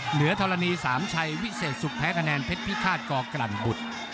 ธรณีสามชัยวิเศษสุขแพ้คะแนนเพชรพิฆาตกกลั่นบุตร